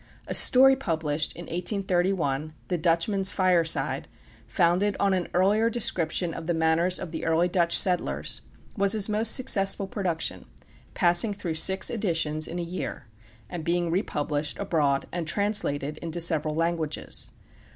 A story published in 1831, "The Dutchman's Fireside," founded on an earlier description of the manners of the early Dutch settlers, was his most successful production, passing through six editions in a year, and being republished abroad and translated into several languages.